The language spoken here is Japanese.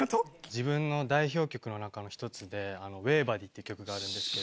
自分の代表曲の中の１つで、ＷＡＶＥＢＯＤＹっていう曲があるんですけど。